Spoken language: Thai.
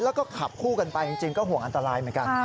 แล้วก็ขับคู่กันไปจริงก็ห่วงอันตรายเหมือนกัน